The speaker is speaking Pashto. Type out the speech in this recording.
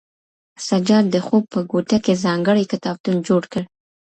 سجاد د خوب په کوټه کې ځانګړی کتابتون جوړ کړ.